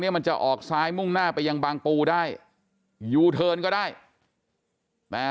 มันจะออกซ้ายมุ่งหน้าไปยังบางปูได้ยูเทิร์นก็ได้แต่